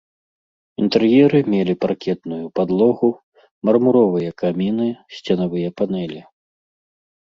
Інтэр'еры мелі паркетную падлогу, мармуровыя каміны, сценавыя панэлі.